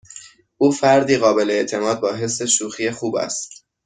او فردی قابل اعتماد با حس شوخی خوب است.